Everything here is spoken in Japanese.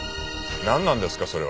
なんなんですか？